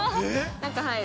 中入る？